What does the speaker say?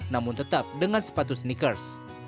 namun tetap dengan sepatu sneakers